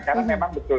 karena memang betul